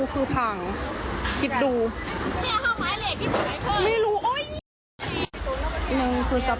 มือไม่ถึงแล้วจ้า